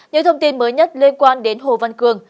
những thông tin mới nhất liên quan đến hồ văn cường